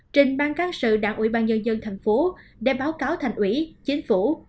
trình bang các sự đảng ubnd tp để báo cáo thành ủy chính phủ